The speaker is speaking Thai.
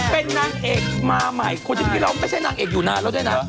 เป็นนางเอกมาใหม่คนที่เราไม่ใช่นางเอกอยู่นานแล้วด้วยนะ